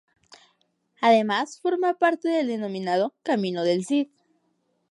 Además, forma parte del denominado Camino del Cid.